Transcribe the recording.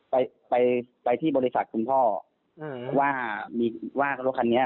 ไปไปที่บริษัทคุณพ่ออืมว่ามีว่ารถคันนี้